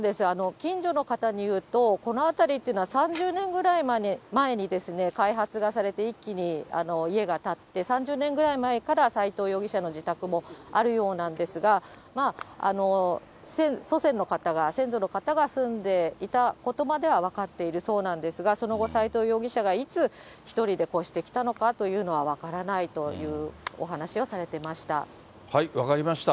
近所の方によると、この辺りっていうのは３０年ぐらい前に開発がされて一気に家が建って、３０年ぐらい前から斎藤容疑者の自宅もあるようなんですが、祖先の方が、先祖の方が住んでいたことまでは分かっているそうなんですが、その後、斎藤容疑者がいつ、１人で越してきたのかは分からないというお話しをされていました。